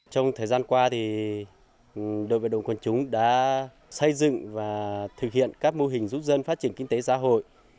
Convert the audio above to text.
trong thời gian qua đội vận động quân chúng đã xây dựng và thực hiện các mô hình giúp dân phát triển kinh tế xã hội